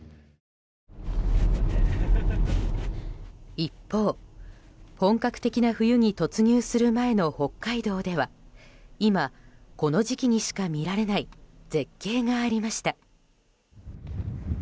一方、本格的な冬に突入する前の北海道では今、この時期にしか見られない絶景がありました。